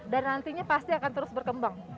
dan nantinya pasti akan terus berkembang